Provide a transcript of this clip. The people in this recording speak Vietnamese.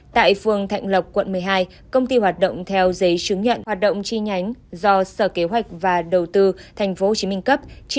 tại phường thạnh lộc quận một mươi hai công ty hoạt động theo giấy chứng nhận hoạt động chi nhánh do sở kế hoạch và đầu tư tp hcm cấp